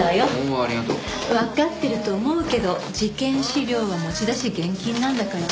わかってると思うけど事件資料は持ち出し厳禁なんだからね。